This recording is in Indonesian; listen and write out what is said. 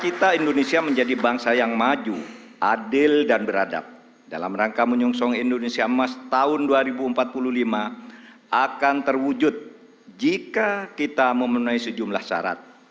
kita indonesia menjadi bangsa yang maju adil dan beradab dalam rangka menyungsong indonesia emas tahun dua ribu empat puluh lima akan terwujud jika kita memenuhi sejumlah syarat